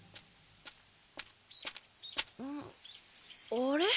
あれ？